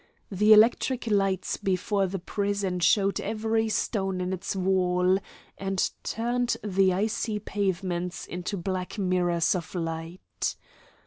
The electric lights before the prison showed every stone in its wall, and turned the icy pavements into black mirrors of light.